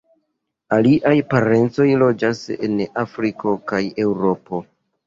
Aliaj parencoj loĝas en Afriko kaj Eŭropo.